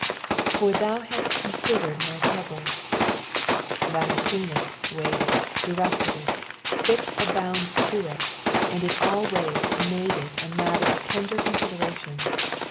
" For thou halt eon tidered my trouble.'" Thou hast seen it, weighed it, directed it, fixed a hound to it, and in all ways made it a matter of tender consideration.